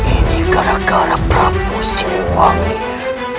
ini gara gara prabu similang ini